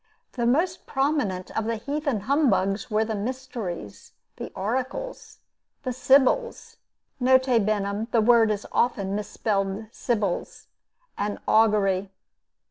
The most prominent of the heathen humbugs were the mysteries, the oracles, the sibyls (N. B., the word is often mis spelled sybils,) and augury.